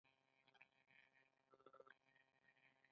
ایا ستاسو پایلې د منلو دي؟